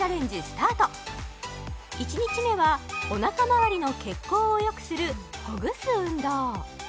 スタート１日目はおなかまわりの血行をよくするほぐす運動